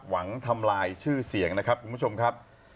หวังทำลายชื่อเสียงนะครับคุณผู้ชมครับ